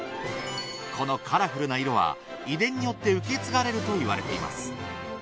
このカラフルな色は遺伝によって受け継がれるといわれています。